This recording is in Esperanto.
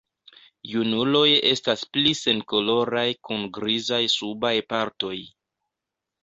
Junuloj estas pli senkoloraj kun grizaj subaj partoj.